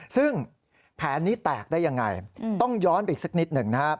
ซึ่งแผนนี้แตกได้อย่างไรต้องย้อนไปอีกสักนิดหนึ่ง